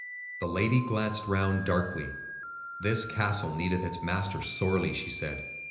The lady glanced round darkly. "This castle needeth its master sorely," she said.